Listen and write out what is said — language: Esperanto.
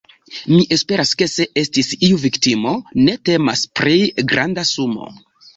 Mi esperas ke se estis iu viktimo, ne temas pri granda sumo.